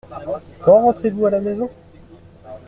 Quand rentrez-vous à la maison ?